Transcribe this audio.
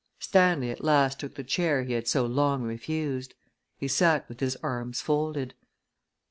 Stanley at last took the chair he had so long refused. He sat with his arms folded.